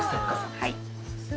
はい。